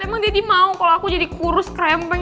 emang daddy mau kalo aku jadi kurus kerempeng